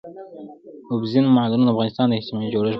اوبزین معدنونه د افغانستان د اجتماعي جوړښت برخه ده.